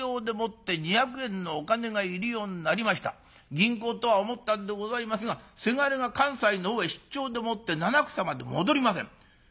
銀行とは思ったんでございますがせがれが関西のほうへ出張でもって七草まで戻りません。